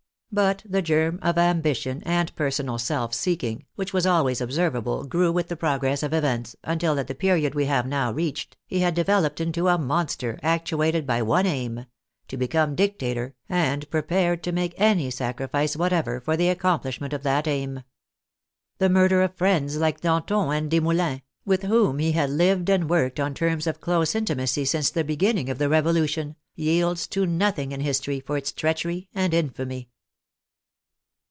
But the germ of ambition and personal §4 THE FRENCH REVOLUTION self seeking, which was always observable, grew with the progress of events, until, at the period we have now reached, he had developed into a monster, actuated by one aim — to become dictator, and prepared to make any sac rifice whatever for the accomplishment of that aim. The murder of friends like Danton and Desmoulins, with whom he had lived and worked on terms of close intimacy since the beginning of the Revolution, yields to nothing in history for its treachery and infamy.